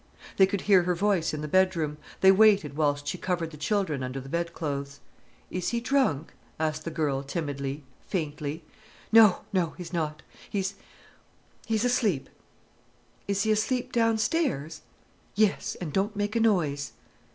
They could hear her voice in the bedroom, they waited whilst she covered the children under the bedclothes. "Is he drunk?" asked the girl, timidly, faintly. "No! No—he's not! He—he's asleep." "Is he asleep downstairs?" "Yes—and don't make a noise."